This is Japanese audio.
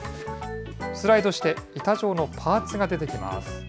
スライドして、板状のパーツが出てきます。